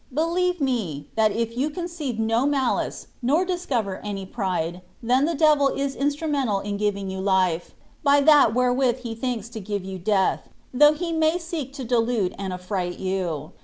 Believe me, that if you conceive no malice, nor discover any pride, then the devil is instrumental in giving you life, by that wherewith he thinks to give you death, though he may seek to delude and affright you.